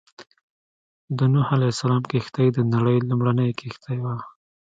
د نوح عليه السلام کښتۍ د نړۍ لومړنۍ کښتۍ وه.